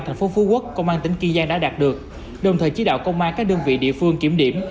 thành phố phú quốc công an tỉnh kiên giang đã đạt được đồng thời chỉ đạo công an các đơn vị địa phương kiểm điểm